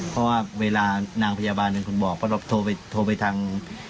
เพราะว่าเวลานางพยาบาลเป็นคนบอกเพราะเราโทรไปทาง